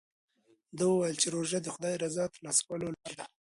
ده وویل چې روژه د خدای د رضا ترلاسه کولو لاره ده.